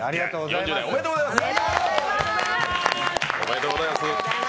４０歳おめでとうございます。